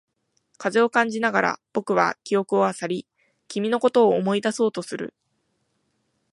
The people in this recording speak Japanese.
風を感じながら、僕は記憶を漁り、君のことを思い出そうとする。